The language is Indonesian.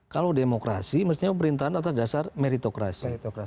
kalau demokrasi mestinya pemerintahan atas dasar meritokrasi